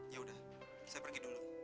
ya udah saya pergi dulu